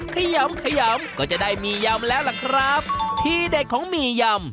ขยำขยำก็จะได้มียำแล้วล่ะครับที่เด็ดของหมี่ยำ